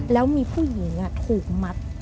แล้วมีผู้หญิงถูกมัด